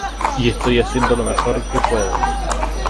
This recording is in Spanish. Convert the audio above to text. Y estoy haciendo lo mejor que puedo